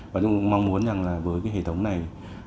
và chúng tôi cũng mong muốn rằng là với cái hệ thống này